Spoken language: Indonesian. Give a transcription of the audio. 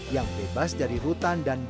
yang bebas dari hutan dan negara